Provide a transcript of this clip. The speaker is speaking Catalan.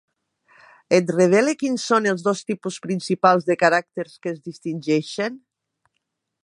Et revele quins són els dos tipus principals de caràcters que es distingeixen?